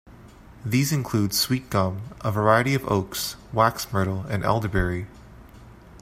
These include sweetgum, a variety of oaks, wax myrtle, and elderberry.